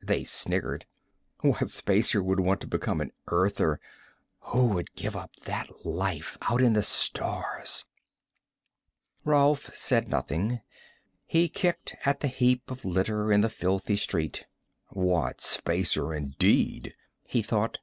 They sniggered. "What Spacer would want to become an Earther? Who would give up that life, out in the stars?" Rolf said nothing. He kicked at the heap of litter in the filthy street. What spacer indeed? he thought.